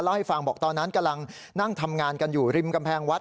ให้ฟังบอกตอนนั้นกำลังนั่งทำงานกันอยู่ริมกำแพงวัด